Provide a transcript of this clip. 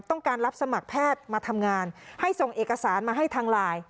ต้องการรับสมัครแพทย์มาทำงานให้ส่งเอกสารมาให้ทางไลน์